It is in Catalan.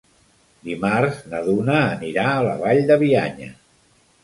Dimarts na Duna anirà a la Vall de Bianya.